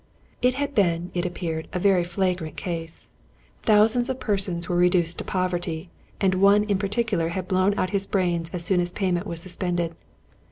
It had been, it appeared, a very flagrant case. Thou sands of persons were reduced to poverty; and one in par ticular had blown out his brains as soon as payment was suspended.